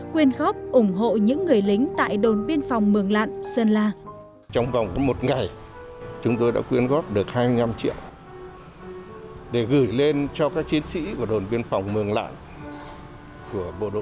quyên góp ủng hộ những người lính tại đồn biên phòng mường lạn sơn la